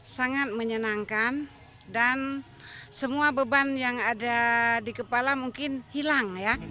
sangat menyenangkan dan semua beban yang ada di kepala mungkin hilang ya